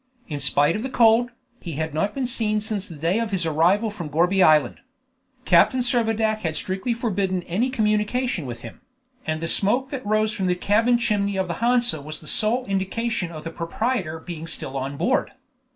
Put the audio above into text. In spite of the cold, he had not been seen since the day of his arrival from Gourbi Island. Captain Servadac had strictly forbidden any communication with him; and the smoke that rose from the cabin chimney of the Hansa was the sole indication of the proprietor being still on board.